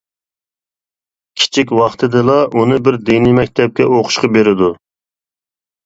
كىچىك ۋاقتىدىلا ئۇنى بىر دىنىي مەكتەپكە ئوقۇشقا بېرىدۇ.